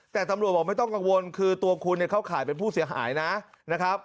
แต่ตำรวจบอกไม่ต้องกังวลคือตัวคุณเนี่ยเข้าข่ายเป็นผู้เสียหายนะครับ